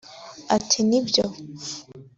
Ati “Ni byo